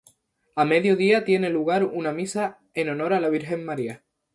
A medio día tiene lugar una misa en Honor a la Virgen María.